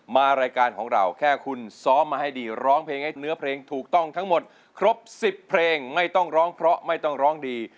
มารายการของเราแค่คุณซ้อมมาให้ดีร้องเพลงให้เนื้อเพลงถูกต้องทั้งหมดครบ๑๐เพลงไม่ต้องร้องเพราะไม่ต้องร้องดี